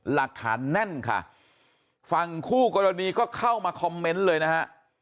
หลักฐานแน่นค่ะฝั่งคู่กรณีก็เข้ามาคอมเมนต์เลยนะฮะ